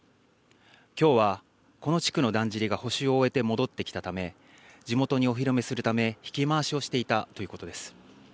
きょうはこの地区のだんじりが補修を終えて戻ってきたため地元にお披露目するため引き回しをしていたということです。